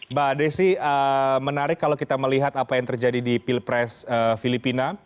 mbak desi menarik kalau kita melihat apa yang terjadi di pilpres filipina